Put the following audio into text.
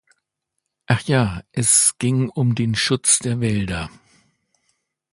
Ach ja, es ging um den Schutz der Wälder.